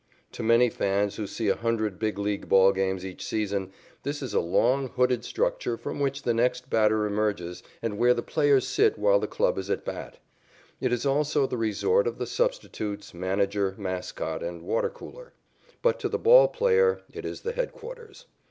To many fans who see a hundred Big League ball games each season, this is a long, hooded structure from which the next batter emerges and where the players sit while their club is at bat. It is also the resort of the substitutes, manager, mascot and water cooler. But to the ball player it is the headquarters.